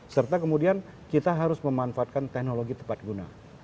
serta kemudian kita harus memanfaatkan teknologi tepat guna